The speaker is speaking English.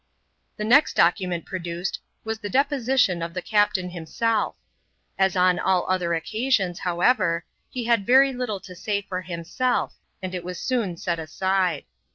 The next document produced was the deposition of the qptain himself. As on all oldier occasions, however, he had sry little to say for himself, and it was soon set aside.